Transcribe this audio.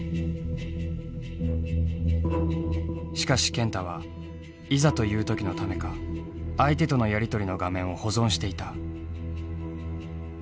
しかし健太はいざという時のためか相手とのやり取りの画面を保存していた。